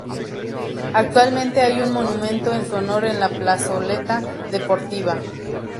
Actualmente hay un monumento en su honor en la Plazoleta Deportiva.